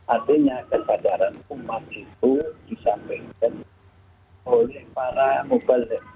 artinya kesadaran umat itu disampaikan oleh para mubale